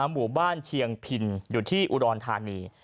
หมู่บ้านเชียงพินอยู่ที่อุดรธานี